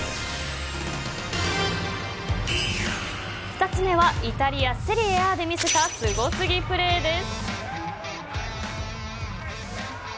２つ目はイタリアセリエＡで見せたスゴすぎプレーです。